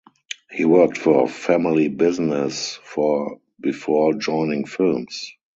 He worked for family business for before joining films.